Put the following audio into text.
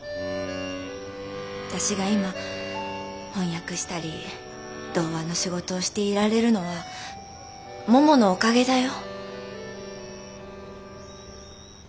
私が今翻訳したり童話の仕事をしていられるのはもものおかげだよ。